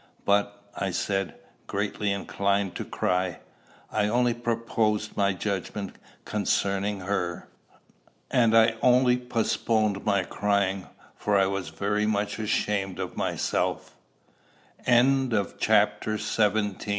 "But," I said, greatly inclined to cry, "I only postponed my judgment concerning her." And I only postponed my crying, for I was very much ashamed of myself. CHAPTER XVII. MISS CLARE.